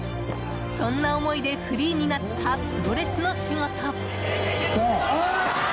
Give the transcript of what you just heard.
そんな思いでフリーになったプロレスの仕事。